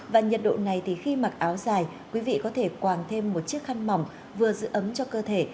và nhiệt độ này thì khi mặc áo dài quý vị có thể quàng thêm một chiếc khăn mỏng vừa giữ ấm cho cơ thể